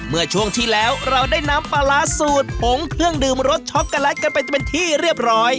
เมื่อช่วงที่แล้วเราได้น้ำปลาร้าสูตรผงเครื่องดื่มรสช็อกโกแลตกันไปเป็นที่เรียบร้อย